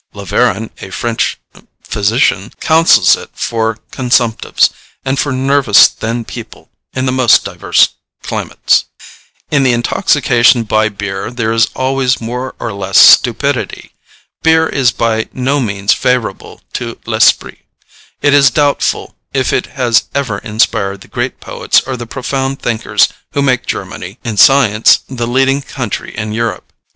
"[A] Laveran, a French physician, counsels it for consumptives, and for nervous thin people in the most diverse climates. In the intoxication by beer there is always more or less stupidity. Beer is by no means favorable to l'esprit. It is doubtful if it has ever inspired the great poets or the profound thinkers who make Germany, in science, the leading country in Europe.